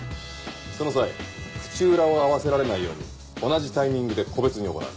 その際口裏を合わせられないように同じタイミングで個別に行う。